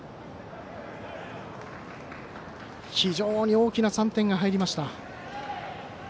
非常に大きな３点が入りました。